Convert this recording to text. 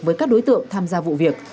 với các đối tượng tham gia vụ việc